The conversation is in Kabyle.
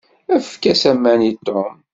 Efk-as aman i Tom.